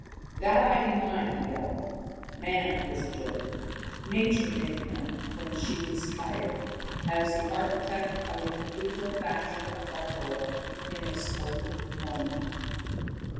"That I deny," he yelled. "Man is a joke. Nature made him when she was tired, as the architect of a cathedral fashions a gargoyle in a sportive moment.